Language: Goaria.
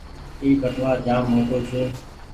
اي ٻٽوآ جآم موٽو ڇي۔